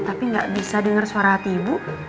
tapi nggak bisa denger suara hati ibu